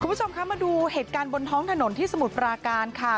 คุณผู้ชมคะมาดูเหตุการณ์บนท้องถนนที่สมุทรปราการค่ะ